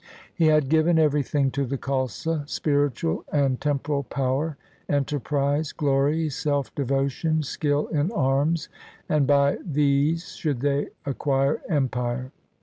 He had given everything to the Khalsa — spiritual and tem poral power, enterprise, glory self devotion, skill in arms, and by these should they acquire empire.